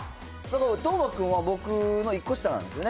斗真君は僕の１個下なんですよね。